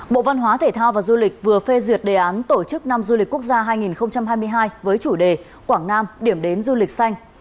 bộ văn hóa thể thao và du lịch vừa phê duyệt đề án tổ chức năm du lịch quốc gia hai nghìn hai mươi hai với chủ đề quảng nam điểm đến du lịch xanh